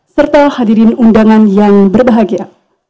serta hadirin undangan yang berbahagia